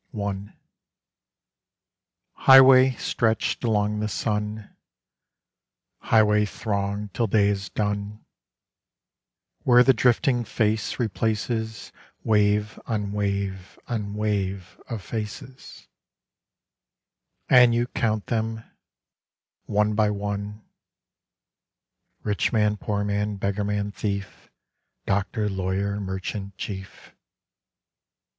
_' I Highway, stretched along the sun, Highway, thronged till day is done; Where the drifting Face replaces Wave on wave on wave of faces, And you count them, one by one: '_Rich man Poor man Beggar man Thief: Doctor Lawyer Merchant Chief.